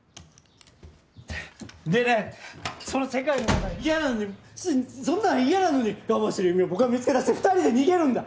でねその世界の中で嫌なのにそんなの嫌なのに我慢してる優美を僕が見つけ出して２人で逃げるんだ。